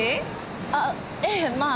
ああええまあ。